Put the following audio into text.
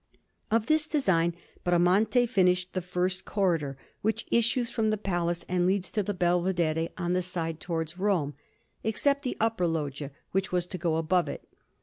Of this design, Bramante finished the first corridor, which issues from the Palace and leads to the Belvedere on the side towards Rome, except the upper loggia, which was to go above it.